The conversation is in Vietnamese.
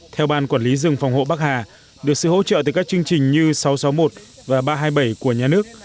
theo ban quản lý rừng phòng hộ bắc hà được sự hỗ trợ từ các chương trình như sáu trăm sáu mươi một và ba trăm hai mươi bảy của nhà nước